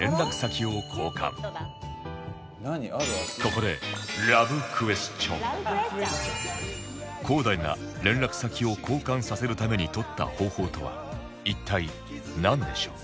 ここでｋｏ−ｄａｉ が連絡先を交換させるために取った方法とは一体なんでしょう？